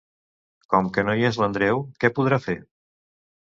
Com que no hi és l'Andreu, què podrà fer?